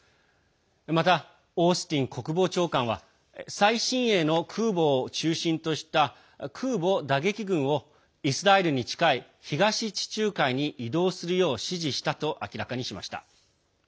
また、オースティン国防長官は最新鋭の空母を中心とした空母打撃群をイスラエルに近い東地中海に移動するよう指示したと明らかにしました。